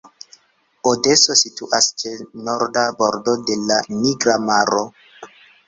Odeso situas ĉe norda bordo de la Nigra Maro.